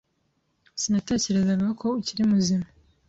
Sinatekerezaga ko ukiri muzima.